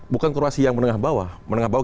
bukan kurasi yang menengah bawah menengah bawah